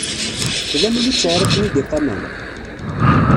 Tlam littseɛ ara ken-id-iqamen?